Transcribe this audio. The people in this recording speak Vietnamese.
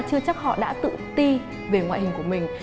chưa chắc họ đã tự ti về ngoại hình của mình